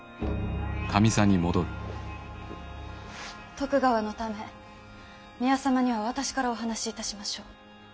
徳川のため宮様には私からお話しいたしましょう。